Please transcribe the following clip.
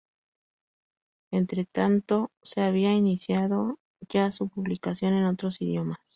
Entretanto, se había iniciado ya su publicación en otros idiomas.